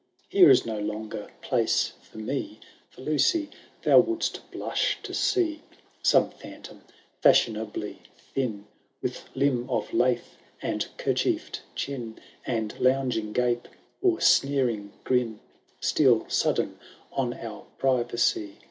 Here is no longer place for me ; For, Lucy, thou wouldst blush to see Some phantom, fashionably thin. With limb of lath and kerchieTd chin, And lounging gape, or sneering grin, Steal sudden on our privacy.